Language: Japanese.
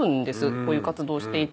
こういう活動していたら。